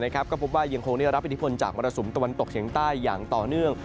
ก็พบว่ายังคงได้รับอิทธิพลจากมรสุมตะวันตกเฉียงใต้อย่างต่อเนื่อง